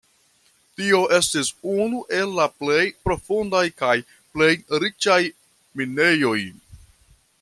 Tio estis unu el la plej profundaj kaj plej riĉaj minejoj.